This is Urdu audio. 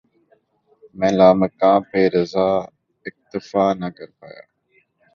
مَیں لامکاں پہ رضاؔ ، اکتفا نہ کر پایا